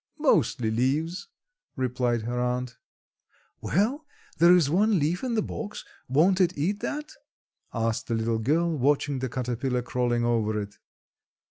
"Mostly leaves," replied her aunt. "Well, there is one leaf in the box; won't it eat that?" asked the little girl, watching the caterpillar crawling over it.